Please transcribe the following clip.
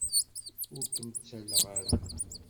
Ur kem-ttalleɣ ara.